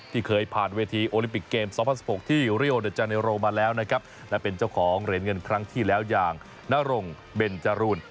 เคยผ่านเวทีโอลิมปิกเกม๒๐๑๖ที่เรียโอเดอร์จาเนโรมาแล้วนะครับและเป็นเจ้าของเหรียญเงินครั้งที่แล้วอย่างนรงเบนจรูน